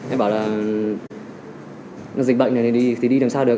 em bảo là dịch bệnh này thì đi làm sao được